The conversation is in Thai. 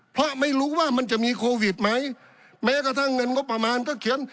เพราะไม่รู้ว่ามันจะมีโควิดไหมแม้กระทั่งเงินงบประมาณก็เขียน